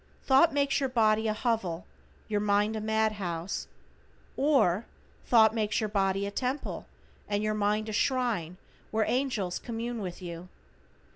Thought makes your body a hovel, your mind a madhouse, or thought makes your body a temple and your mind a shrine where angels commune with you.